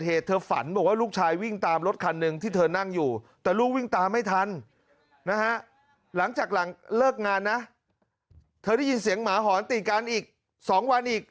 หลังจากแล้วเลิกงานนะเธอได้ยินเสียงหมาหอนติดกันอีก๒วันอีก